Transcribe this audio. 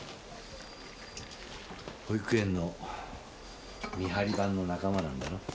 保育園の見張り番の仲間なんだろ？